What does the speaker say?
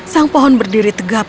sang pohon berdiri tegap